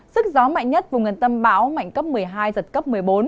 sức gió mạnh nhất vùng ngân tâm báo mạnh cấp một mươi hai giật cấp một mươi bốn